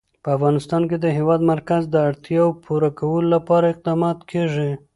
په افغانستان کې د د هېواد مرکز د اړتیاوو پوره کولو لپاره اقدامات کېږي.